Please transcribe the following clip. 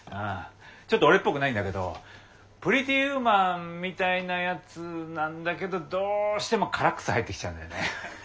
ちょっと俺っぽくないんだけど「プリティ・ウーマン」みたいなやつなんだけどどうしてもカラックス入ってきちゃうんだよね。